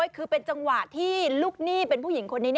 คือเป็นจังหวะที่ลูกนี่